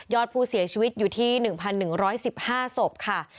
อดผู้เสียชีวิตอยู่ที่๑๑๑๕ศพค่ะ